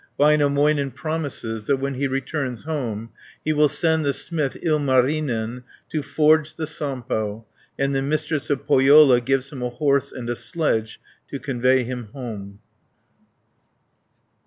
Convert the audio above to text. Väinämöinen promises that when he returns home he will send the smith Ilmarinen to forge the Sampo, and the Mistress of Pohjola gives him a horse and a sledge to convey him home (323 368).